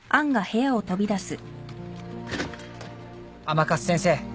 「甘春先生